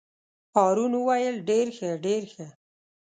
هارون وویل: ډېر ښه ډېر ښه.